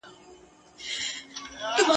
او هر یو د خپل فکر او نظر خاوند دی ..